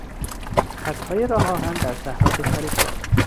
خطهای راه آهن در صحرا گسترش یافت.